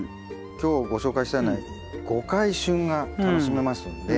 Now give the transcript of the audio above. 今日ご紹介したような５回旬が楽しめますんで。